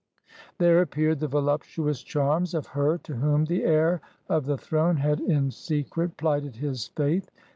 There appeared the voluptuous charms of her to whom the heir of the throne had in secret plighted his faith.